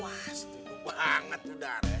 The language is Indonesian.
wah setuju banget sudar